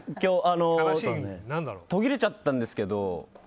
途切れちゃったんですけど。